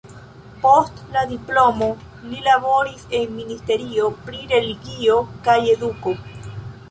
Post la diplomo li laboris en ministerio pri Religio kaj Eduko.